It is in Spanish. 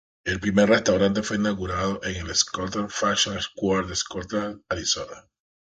El primer restaurante fue inaugurado en el Scottsdale Fashion Square en Scottsdale, Arizona.